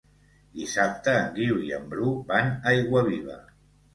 Dissabte en Guiu i en Bru van a Aiguaviva.